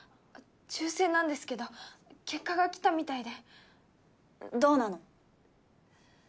抽選なんですけど結果が来たみたいでどうなの？